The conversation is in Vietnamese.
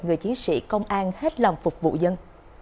người chiến sĩ công an hết lòng phục vụ dân